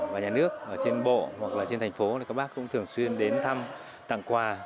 và nhà nước trên bộ hoặc là trên thành phố các bác cũng thường xuyên đến thăm tặng quà